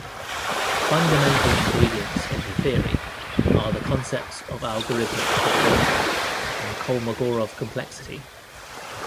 Fundamental ingredients of the theory are the concepts of algorithmic probability and Kolmogorov complexity.